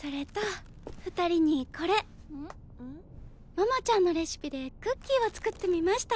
ももちゃんのレシピでクッキーを作ってみました。